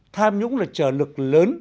tham nhũng là trở lực lớn